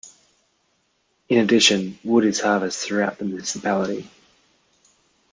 In addition, wood is harvested throughout the municipality.